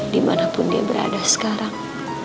dimanapun dia berada sekarang